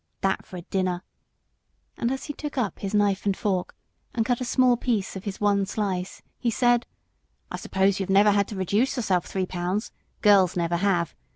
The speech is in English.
"That for a dinner!" and as he took up his knife and fork and cut a small piece of his one slice, he said, "I suppose you never had to reduce yourself three pounds; girls never have.